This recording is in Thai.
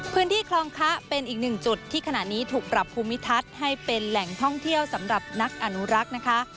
พื้นที่คลองคะเป็นอีกหนึ่งจุดที่ขณะนี้ถูกปรับภูมิทัศน์ให้เป็นแหล่งท่องเที่ยวสำหรับนักอนุรักษ์นะคะ